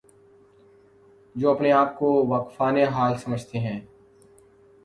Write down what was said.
جو اپنے آپ کو واقفان حال سمجھتے ہیں۔